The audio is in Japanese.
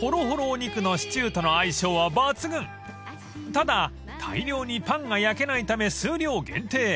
［ただ大量にパンが焼けないため数量限定］